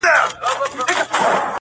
سترگه وره انجلۍ بيا راته راگوري.